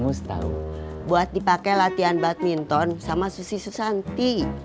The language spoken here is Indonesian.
mustahil buat dipakai latihan badminton sama susi susanti